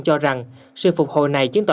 cho rằng sự phục hồi này chứng tỏ